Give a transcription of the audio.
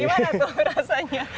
gimana tuh rasanya